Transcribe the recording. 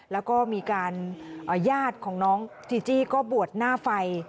แล้วก็มีการญาติของน้องจีจี้ก็บวชหน้าไฟ